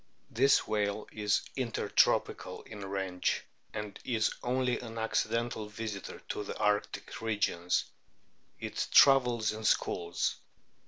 This whale is intertropical in range,* and is only an accidental visitor to the arctic regions. It travels in "schools."